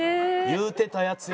言うてたやつや。